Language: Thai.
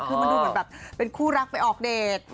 คือมันดูเหมือนแบบเป็นคู่รักไปออกเดท